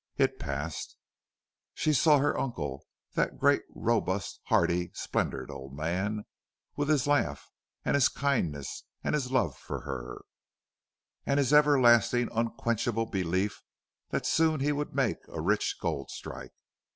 It passed. She saw her uncle that great, robust, hearty, splendid old man, with his laugh and his kindness, and his love for her, and his everlasting unquenchable belief that soon he would make a rich gold strike.